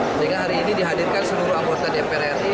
sehingga hari ini dihadirkan seluruh anggota dpr ri